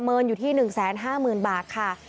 ประเมินอยู่ที่๑๕๐๐๐๐บาทค่ะ